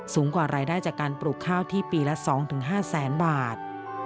กว่ารายได้จากการปลูกข้าวที่ปีละ๒๕แสนบาท